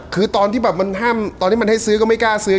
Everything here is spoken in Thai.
คือตอนที่มันให้ซื้อก็ไม่กล้าซื้อ